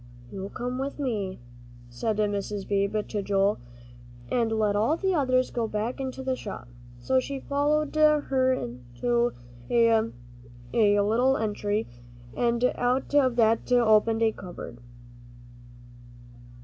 "You come with me," said Mrs. Beebe to Joel, "and let the others go back into the shop." So he followed her into a little entry, and out of that opened a cupboard.